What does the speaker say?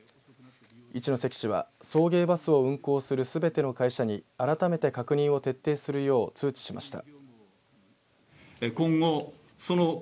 一関市は送迎バスを運行するすべての会社に改めて確認を徹底するよう通知しました。